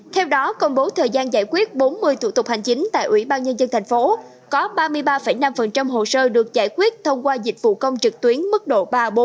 theo đó công bố thời gian giải quyết bốn mươi thủ tục hành chính tại ubnd tp hcm có ba mươi ba năm hồ sơ được giải quyết thông qua dịch vụ công trực tuyến mức độ ba bốn